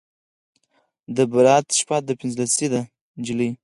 د براته شپه ده پنځلسی دی نجلۍ